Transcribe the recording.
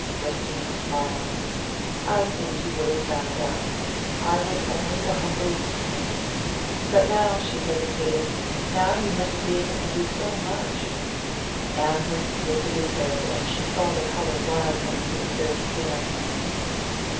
Justine smiled. "I think you would have found out I was only the humble instrument. But now " she hesitated "now you must be able to do so much " Amherst lifted his head, and she saw the colour rise under his fair skin.